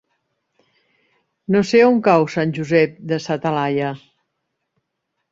No sé on cau Sant Josep de sa Talaia.